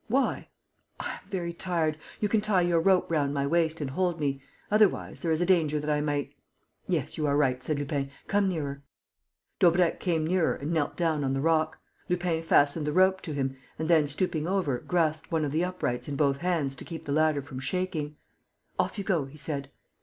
"Why?" "I am very tired. You can tie your rope round my waist and hold me.... Otherwise, there is a danger that I might...." "Yes, you are right," said Lupin. "Come nearer." Daubrecq came nearer and knelt down on the rock. Lupin fastened the rope to him and then, stooping over, grasped one of the uprights in both hands to keep the ladder from shaking: "Off you go," he said.